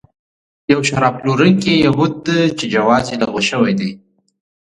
یو شراب پلورونکی یهود چې جواز یې لغوه شوی دی.